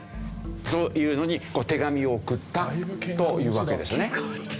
というのに手紙を送ったというわけですね。